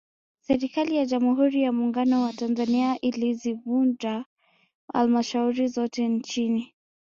Serikali ya Jamhuri ya Muungano wa Tanzania ilizivunja Halmashauri zote nchini